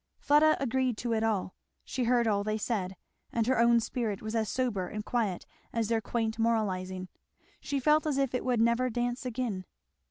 Fleda agreed to it all; she heard all they said; and her own spirit was as sober and quiet as their quaint moralizing. She felt as if it would never dance again.